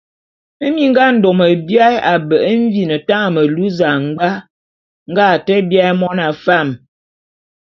Minga a ndôme biaé a mbe’e mvin tañ melu zañbwa nge a te biaé mona fam.